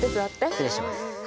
失礼します。